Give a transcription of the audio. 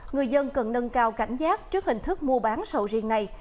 người dân cần nâng cao cảnh giác trước hình thức mua bán sầu riêng này